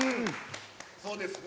そうですね。